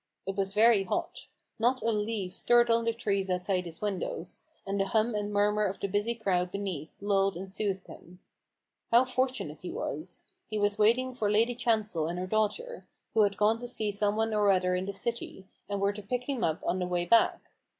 It was very hot. Not a leaf stirred on the trees outside his windows, and the hum and murmur of the busy crowd beneath lulled and soothed him. How fortunate he was ! He was waiting for Lady Chancel and her daughter, who had gone to see some one or other in the city, and were to pick him up on their way back.